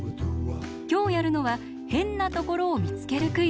きょうやるのはへんなところをみつけるクイズ。